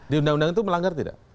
di undang undang itu melanggar tidak